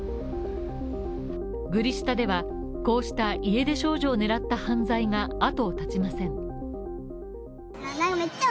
グリ下では、こうした家出少女を狙った犯罪が後を絶ちません。